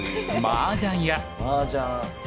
マージャン。